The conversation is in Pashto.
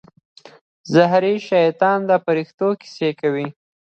زهري شیطان د فرښتو کیسه کوي.